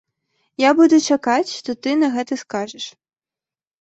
Я буду чакаць, што ты на гэта скажаш.